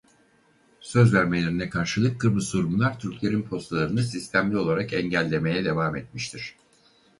Söz vermelerine karşılık Kıbrıslı Rumlar Türklerin postalarını sistemli olarak engellemeye devam etmiştir.